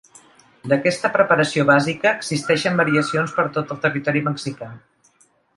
D'aquesta preparació bàsica existeixen variacions per tot el territori mexicà.